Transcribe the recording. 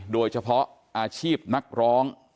โดยเฉพาะอาชีพนักร้อง